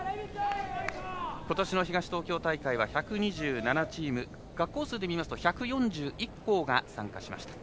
ことしの東東京大会は１２７チーム学校数で見ますと１４１校が参加しました。